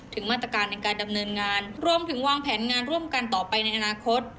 มาตรการในการดำเนินงานรวมถึงวางแผนงานร่วมกันต่อไปในอนาคต